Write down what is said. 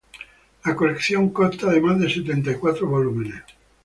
La colección consta de más de setenta y cuatro volúmenes.